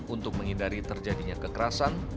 untuk menghindari terjadinya kekerasan